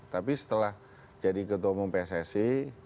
tapi setelah jadi ketua umum pssi